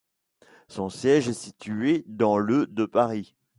Son siège est situé dans le de Paris.